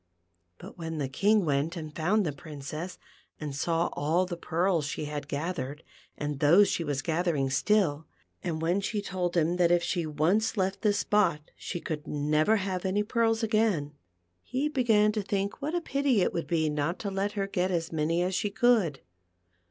But when the King went and found the Princess, and saw all the pearls she had gathered, and those she was gathering still, and when she told him that if she once left this spot she could never have any pearls again, he began to think what a pity it would be not to let her get as many as she could.